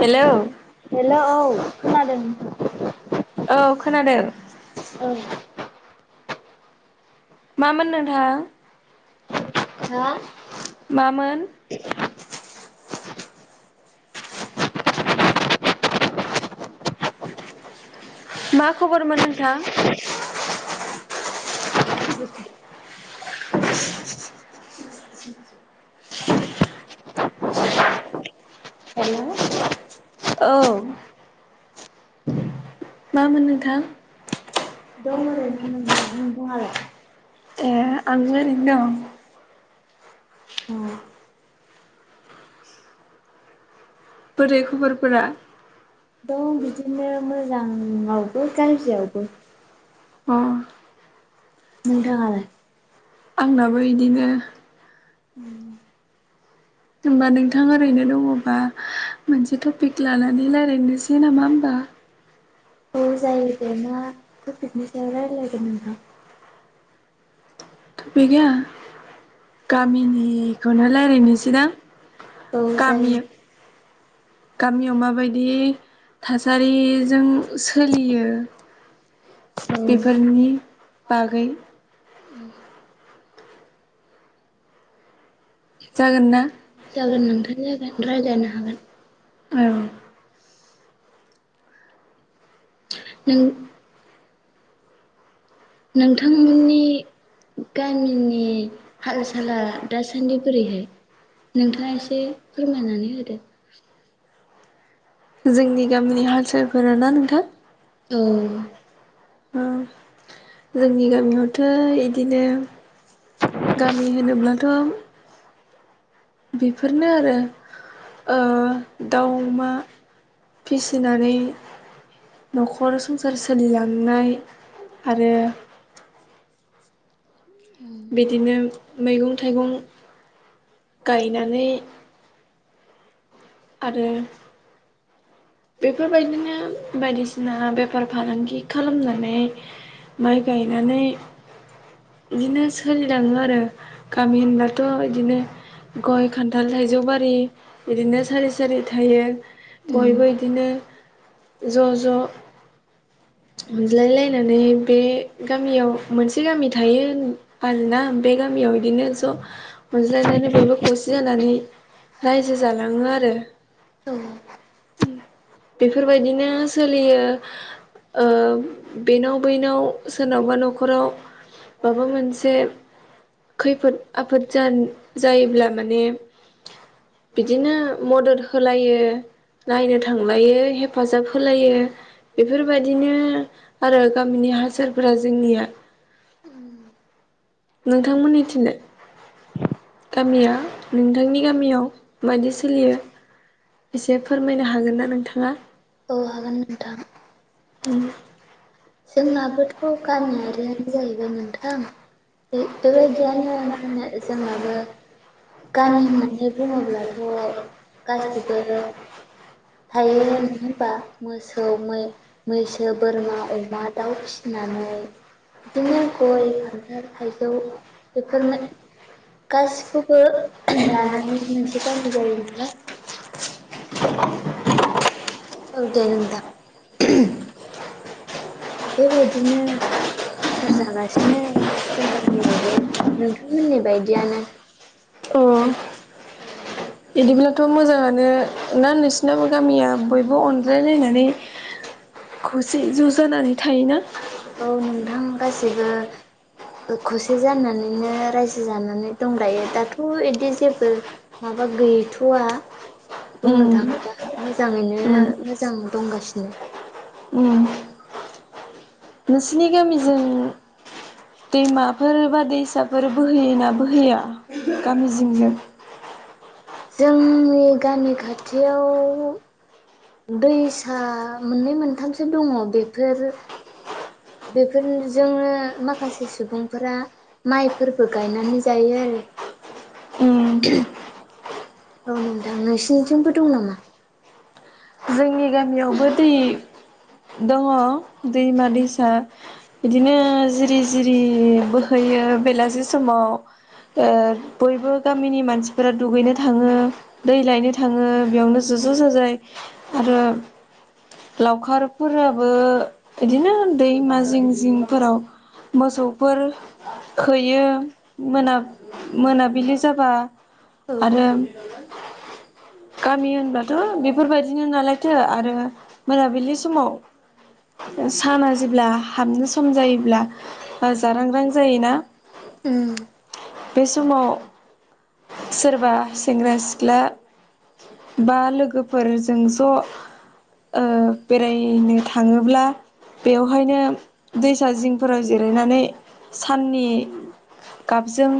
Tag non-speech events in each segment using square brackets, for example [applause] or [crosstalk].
Hello hello औ खोनादों नोंथां। औ खोनादो। औ मामोन नोंथा हो? मामोन? मा खबरमोन नोंथां? [inaudible] हेल' औ मामोन नोंथां दं ओरैनो नोंथां नोंथाङालाय? [unintelligible] ए आंबो ओरैनो दं। बोरै खबरफोरा? दं बिदिनो मोजाङावबो गाज्रियावबो। अ नोंथाङालाय? आंनाबो इदिनो उम होमबा नोंथां ओरैनो दङबा मोनसे टपिक लानानै रायज्लायनोसै नामा होमबा? औ जायो दे मा टपिकनि सायाव रायज्लायगोन नोंंथां? थपिका गामिनिखौनो रायज्लायनोसै दां औ जायो गामियाव माबायदि थासारिजों सोलियो औ बेफोरनि बागै जागोन ना जागोन नोंथां जागोन रायलायनो हागोन औ नों नोंथांमोननि गामिनि हाल साला दासान्दि बोरैहाय? नोंथाङा एसे फोरमायनानै होदो जोंनि गामिनि हाल सालफोरा ना नोंथां? औ ओ जोंनि गामियावथ' इदिनो गामि होनोब्लाथ' बेफोरनो आरो दाउ अमा फिसिनानै न'खर संसार सोलिलांनाय आरो उम बिदिनो मैगं थाइगं गायनानै आरो बेफोरबायदिनो बायदिसिना बेफार फालांगि खालामनानै माइ गायनानै बिदिनो सोलिलाङो आरो गामि होनब्लाथ' बिदिनो गय खान्थाल थाइजौ बारि बिदिनो सारि सारि थायो बयबो उम नो ज' ज' अनज्लायलायनानै बे गामियाव मोनसे गामि थायो आरोना बे गामियाव बिदिनो ज' अनज्लायनानै बयबो खौसे जानानै रायजो जालाङो आरो औ बेफोरबायदिनो सोलियो बेनाव बैनाव सोरनावबा न'खराव माबा मोनसे खैफोद आफोद जा जायोब्ला माने बिदिनो मदद होलायो नायनो थांलायो हेफाजाब होलायो बेफोरबायदिनो आरो गामिनि हासारफोरा जोंनिया औ नोंथांमोननि थिंजाय? गामिया नोंथांनि गामियाव बायदि सोलियो? एसे फोरमायनो हागोन ना नोंथाङा? औ हागोन नोंथां। [unintelligible] जोंनाबोथ' गामियारियानो जाहैबाय नोंथां बे बेबायदियानो मा होनो जोंनाबो गामि होननानै बुङोब्लाथ' गासिबो थायो होनबा मोसौ मैसो बोरमा अमा मा दाउ फिसिनानै बिदिनो गय खान्थाल थाइजौ बेफोरनो गासिखौ बो लानानै मोनसे गामि जायो नालाय औ देे नोंथां बेबायदिनो संसार जागासिनो जों गामियावबो नोंथांमोननि बायदियानो अ इदिब्ला थ' मोजाङानो ना नोंसिनाबो गामिया बयबो अनज्लायलायनानै खौसे ज' जानानै थायोना औ नोंथां गासिबो खौसे जानानैनो रायजो जानानै दं दायो दाथ' बिदि जेबो माबा गैथ'वा बुंनो उम थाङोबा मोजाङैनो उम मोजां दंगासिनो उम नोंसिनि गामिजों दैमाफोर बा दैसा फोर बोहैयोना बोहैया गामि जिंजों जोंनि गामि खाथियाव दैसा मोननै मोनथामसो दङ बेफोर बेफोरजोंनो माखासे सुबुंफोरा माइफोरखो गायनानै जायो उम आरो औ नोंथां नोंसिनिथिंबो दं नामा? जोंनि गामियावबो दै दङ दैमा दैसा इदिनो जिरि जिरि बोहैयो बेलासि समाव ओ बयबो गामिनि मानसिफोरा दुगैनो थाङो दै लायनो थाङो बेयावनो ज ज' जाजाय आरो लावखारफोराबो इदिनो दैमा जिं जिंफोराव मोसौफोर होयो मोना मोनाबिलि जाबा आरो गामि होनबाथ' बेफोरबायदि दिनो नालायथो आरो मोनाबिलि समाव साना जेब्ला हाबनो सम जायोब्ला जारां रां जायोना उम बे समाव सोरबा सेंग्रा सिख्ला बा लोगोफोर जों ज' ओ बेरायनो थाङोब्ला बेवहायनो दैसा जिंफोराव जिरायनानै साननि गाबजों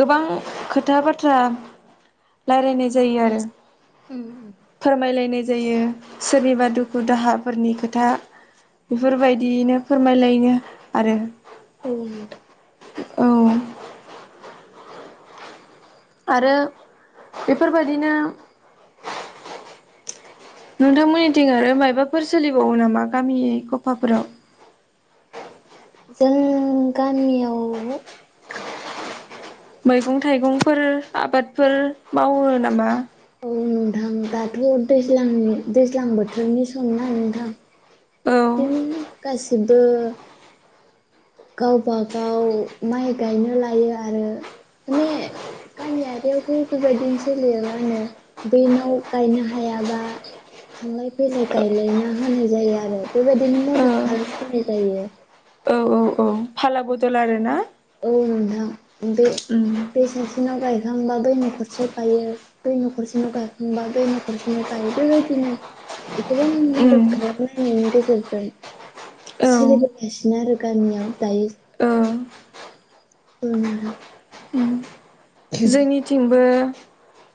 गोबां खोथा बाथ्रा राय्लायनाय जायो आरो उम उम फोरमायलायनाय जायो सोरनिबा दुखु दाहाफोरनि खोथा बेफोरबायदियैनो फोरमायलायनो आरो औ आरो बेफोरबायदिनो नोंथांमोननिथिं आरो मायबाफोर सोलिबावो नामा गामि गफाफोराव जों गामियाव मैगं थाइगंफोर आबादफोर मावो नामा? था़ दाथ' दैज्लांनि दैज्लां बोथोरनि सम ना नोंथां औ नि गासिबो गावबागाव माइ गायनो लायो आरो माने गामिययावथ' बेबायदिनो सोलियो मा होनो बे नाव गायनो हायाबा- थांलाय फैलाय गायलायना होनाय जायो आरो बेबायदिनो औ मदद खालामलायनाय जायो। औ औ औ फालला बोथल आरो ना। औ नोंथां बे बे सासेनाव गायखांबा बै न'खरसो गायो। दै न'खरसेनो' गायखांबा दै न'खरसेनो गायो। बेबायदिनो गोबां उम मदद खालामलायनायनि गेजेरजों औ सोलिबोगासिनो आरो। गानियाव दायो ओ बा जोंनिथिंबो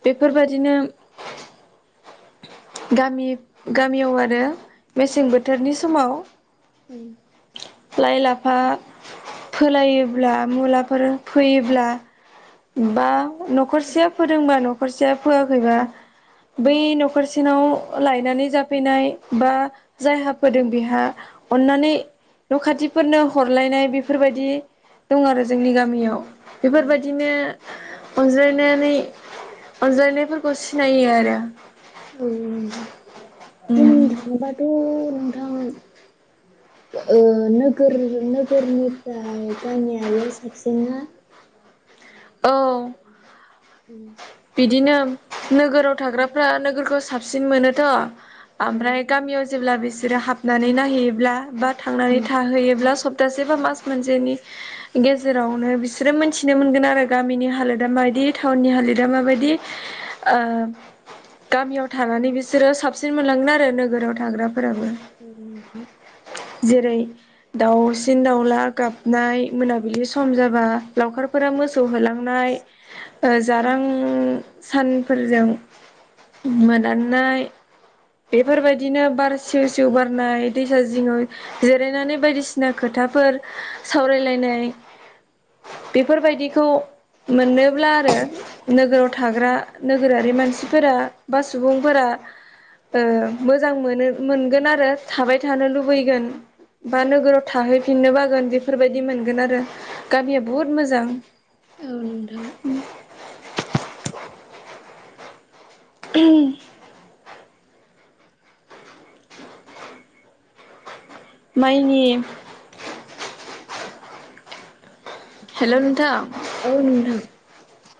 बेफोरबायाददिनो गामि गामियाव आरो मेसें बोथोरनि समाव लाइ लाफा फोलायोब्ला मुलाफोर फोयोंब्ला बा न'खरसेया फोरोंबा न'खरसेया फोयखैबा बै न'खरसेनाव लायनानै जाफैनाय बा जायहा फोदों बेहा अन्नानै न' खाथिफोरनो हरलायनाय बेफोरबायदि-' दं आरो जोंनि गामियाव। बेफोरबायदिनो अनज्लायनानै अनजायनायफोरखौ सिनायो आरो। बुंनो उम थांङोबाथ' नोंथां। ओ नोगोर नोगोरनिफ्राय गामियारिया साबसिन्ना औ औ उम। बिदिनो नोगोराव थाग्राफ्रा नोगोरखो साबसिन मोनोथ'। औ आमफ्राय गामियाव जेब्ला बिसोरो हाबनानै नायहैयोब्ला बा थांनानै थाहैयोब्ला सब दानसेबा मास मोनसेेनि गेजेरावनो बिसोरो मोनथिनो मोनगोन आरो गामिनि हालोदा माबायदि टाउननि हालोद दा माबायदि ओ गामियाव थानानै बिस सोरो साबसिन मोनलांगोन आरो नोगोराव थाग्राफोराबो। औ नोंथां। जेरै दाउसिन दाउला गाबनाय मोनाबिलि स सम जाबा लावखारफोरा मोसौ होलांनाय ओ जा आं सानफोरजों मोदाननाय बेफोरबायदिनो बार सिउ सिउ बारनाय दैसा जिंङाव जिरायनानै बायदिसिना खोथाफोर सावरायलायनाय। बेफोरबायदिखौ मोनोब्ला आरो नोगोराव थाग्रा नोगोरारि मानसिफोरा बा सुबुंफोरा ओ मोजां मोनो मोनगोन आरो थाबाय थानो लुबैगोन। बा नोगोराव थाहैफिननो बागोन बेफोरबायदि मोनगोन आरो गामिया बहुद मोजां। औ नोंथां। ओहोम। माइनि हेल' नोंथां? औ नोंथां।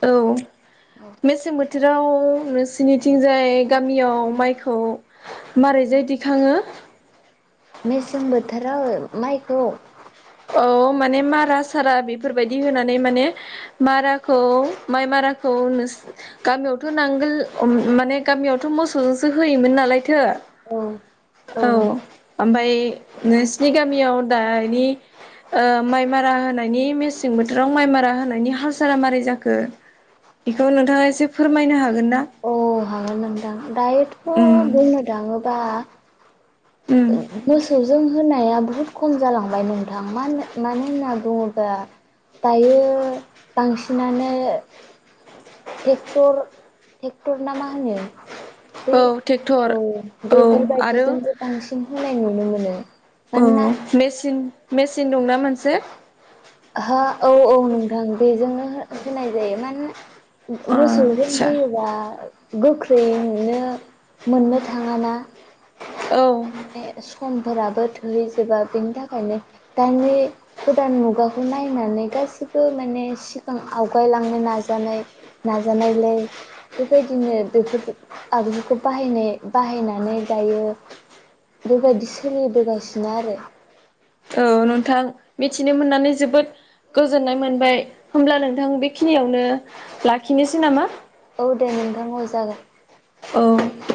औ। मेसें बोथोराव नोंसिनिथिंजाय गामियाव माइखौ मारैजाय दिखाङो? मेसें बोथोराव माइखौ औ माने मारा सारा बिफोरबायदि होनानै माने माराखौ माइ माराखौ नोंस गामियावथ' नांगोल माने गामियावथ' मोसौजोंसो होयोमोन नालायथो। औ औ ओमफाय नोंसिनि गामियाव दानि ओ माइ मारा होनायनि मेसें बोथोराव माइ मारा होनायनि हास सारा मारै जाखो बेखौ नोंथाङा एसे फोरमायनो हागोन ना? औ हागोन नोंथां दायोथ' उम बुंनो दाङोबा उम मोसौजों होनाया बुहुद खम जालांबाय नोंथां मानो मानो होनना बुङोबा दायो बांसिनानो टेक्टर टेक्टर ना मा होनो? बै औ ट्रेक्टर औ औ आरो बेफोरबायदिजोंबो बांसिन होनाय नुनो मोनो मानोना मेसिन मेसिन दंना मोनसे हा औ औ नोंथां बेजोंनो हो-होनाय जायो मानोना मोसौजों आतसा होयोबा गोख्रै मोननो मोननो थाङाना। औ। ने समफोराबो थोहैजोबाखै बेनि थाखायनो दानि गोदान मुगाखौ नायनानै गासिबो माने सिगां आवगायलांनो नाजानाय नाजानायलाय बेबायदिनो बेफोर आगजुखौ बाहायनाय बाहायनानै दायो बेबायदि सोलिबोगासिनो आरो। औ नोंथां मिथिनो मोननानै जोबोद गोजोननाय मोनबाय होमब्ला नोंथां बेखिनियावनो लाखिनोसै नामा? औ दे नोंथां औ जागोन औ